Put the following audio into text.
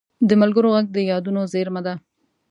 د ملګرو غږ د یادونو زېرمه ده